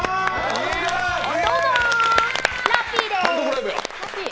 どうもラッピーです。